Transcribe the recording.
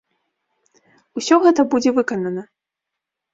Усё гэта будзе выканана.